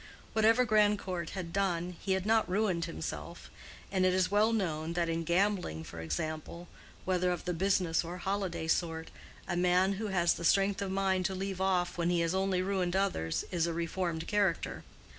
Whatever Grandcourt had done, he had not ruined himself; and it is well known that in gambling, for example, whether of the business or holiday sort, a man who has the strength of mind to leave off when he has only ruined others, is a reformed character.